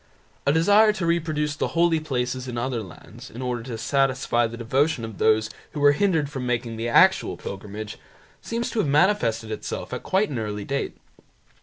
A desire to reproduce the holy places in other lands, in order to satisfy the devotion of those who were hindered from making the actual pilgrimage, seems to have manifested itself at quite an early date.